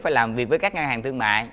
phải làm việc với các ngân hàng thương mại